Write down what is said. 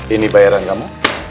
ini bayaran kamu